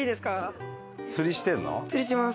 釣りします。